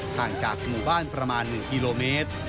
ห่างจากหมู่บ้านประมาณ๑กิโลเมตร